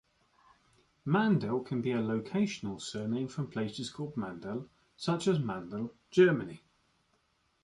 Mandel can be a locational surname, from places called Mandel, such as Mandel, Germany.